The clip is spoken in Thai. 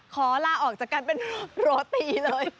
ขอลาออกจากการเป็นโรตีเลย